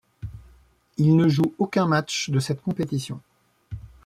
Il ne joue aucun match de cette compétition.